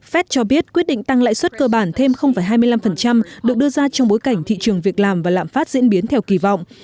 fed cho biết quyết định tăng lãi suất cơ bản thêm hai mươi năm được đưa ra trong bối cảnh thị trường việc làm và lạm phát diễn biến theo kỳ vọng